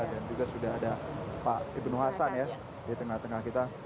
dan juga sudah ada pak ibn hasan ya di tengah tengah kita